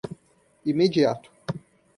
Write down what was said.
imediato